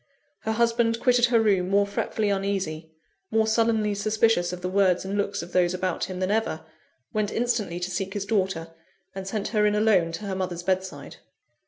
Her husband quitted her room more fretfully uneasy, more sullenly suspicious of the words and looks of those about him than ever went instantly to seek his daughter and sent her in alone to her mother's bedside.